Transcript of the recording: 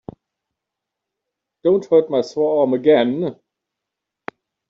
Don't hurt my sore arm again.